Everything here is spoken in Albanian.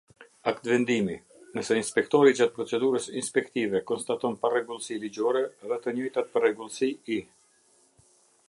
Aktvendimi Nëse inspektori gjatë procedurës inspektive konstaton parregullsi ligjore dhe të njëjtat parregullsi i.